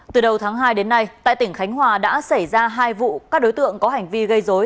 từ đầu tháng hai đến nay tại tỉnh khánh hòa đã xảy ra hai vụ các đối tượng có hành vi gây dối